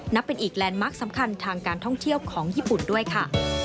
นับเป็นอีกแลนดมาร์คสำคัญทางการท่องเที่ยวของญี่ปุ่นด้วยค่ะ